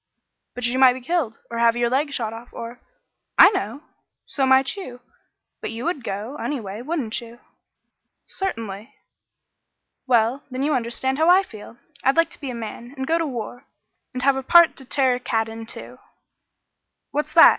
"But you might be killed, or have your leg shot off or " "I know. So might you but you would go, anyway wouldn't you?" "Certainly." "Well, then you understand how I feel. I'd like to be a man, and go to war, and 'Have a part to tear a cat in,' too." "What's that?